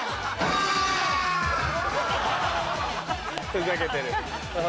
ふざけてる。